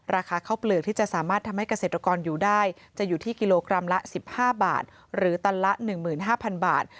ราคาข้าวเปลือกที่จะสามารถทำให้เกษตรกรอยู่ได้จะอยู่ที่กิโลกรัมละ๑๕บาทหรือตันละ๑๕๐๐บาท